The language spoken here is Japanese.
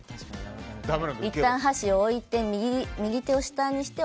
いったん、箸を置いて右手を下にして。